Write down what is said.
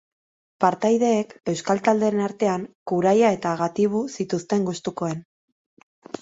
Partaideek, euskal taldeen artean Kuraia eta Gatibu zituzten gustukoen.